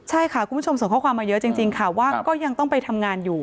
ใช่ค่ะคุณผู้ชมส่งข้อความมาเยอะจริงค่ะว่าก็ยังต้องไปทำงานอยู่